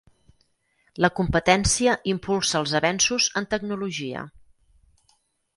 La competència impulsa els avenços en tecnologia.